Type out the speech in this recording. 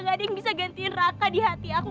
gak ada yang bisa gantiin raka di hati aku